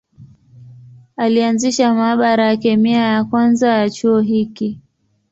Alianzisha maabara ya kemia ya kwanza ya chuo hiki.